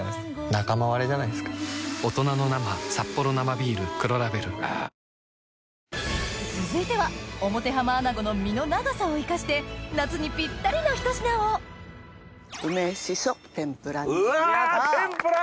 仲間割れじゃないですか続いては表浜アナゴの身の長さをいかして夏にピッタリの一品をうわ天ぷら！